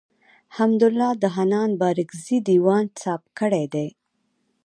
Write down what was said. حمدالله د حنان بارکزي دېوان څاپ کړی دﺉ.